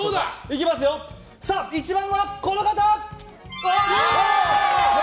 １番は、この方！